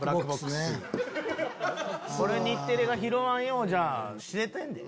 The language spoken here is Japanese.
これ日テレが拾わんようじゃ知れてんで。